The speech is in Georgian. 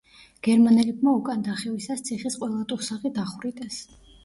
გერმანელებმა უკან დახევისას ციხის ყველა ტუსაღი დახვრიტეს.